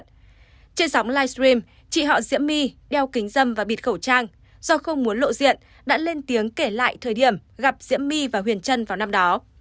trên sóng livestream chị họ diễm my đeo kính dâm và bịt khẩu trang do không muốn lộ diện đã lên tiếng kể lại thời điểm gặp diễm my và huyền trân vào năm đó